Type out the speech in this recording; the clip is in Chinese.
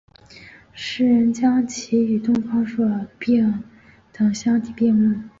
时人将其与东方朔等相提并比。